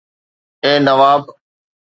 اي Nawab